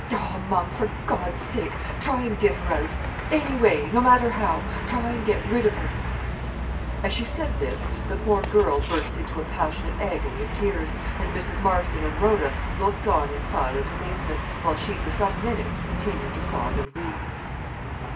Oh, ma'am, for God's sake, try and get her out, any way, no matter how; try and get rid of her." As she said this, the poor girl burst into a passionate agony of tears, and Mrs. Marston and Rhoda looked on in silent amazement, while she for some minutes continued to sob and weep.